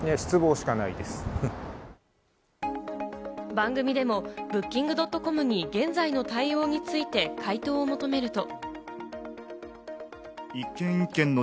番組でもＢｏｏｋｉｎｇ．ｃｏｍに現在の対応について、回答を求めると。